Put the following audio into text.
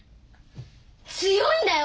強いんだよ